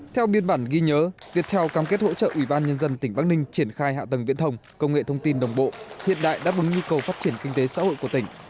theo biên bản ghi nhớ viettel cam kết hỗ trợ ủy ban nhân dân tỉnh bắc ninh triển khai hạ tầng viễn thông công nghệ thông tin đồng bộ hiện đại đáp ứng nhu cầu phát triển kinh tế xã hội của tỉnh